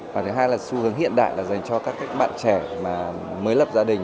và thứ hai là xu hướng hiện đại là dành cho các bạn trẻ mới lập gia đình